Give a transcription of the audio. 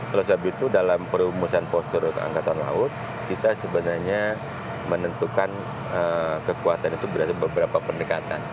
oleh sebab itu dalam perumusan postur angkatan laut kita sebenarnya menentukan kekuatan itu berdasarkan beberapa pendekatan